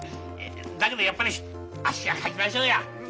だけどやっぱりあっしが書きましょうや。ね？